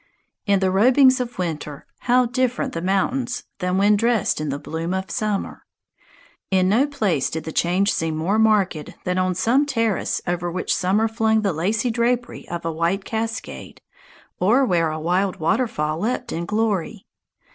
In the robings of winter how different the mountains than when dressed in the bloom of summer! In no place did the change seem more marked than on some terrace over which summer flung the lacy drapery of a white cascade, or where a wild waterfall "leapt in glory."